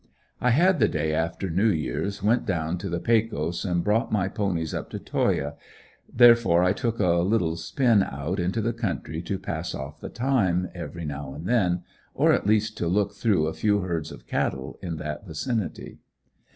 I had, the day after New Year's, went down to the Pecos and brought my ponies up to Toyah, therefore I took a little spin out into the country to pass off the time, every now and then, or at least to look through a few herds of cattle in that vicinity.